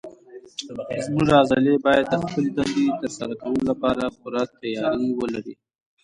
زموږ عضلې باید د خپلې دندې تر سره کولو لپاره پوره تیاری ولري.